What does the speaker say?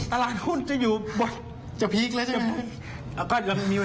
ตลาดหุ้นจะอยู่บทจะพีคแล้วใช่ไหม